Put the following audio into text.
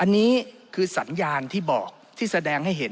มีสิ่งอย่างที่บอกที่แสดงให้เห็น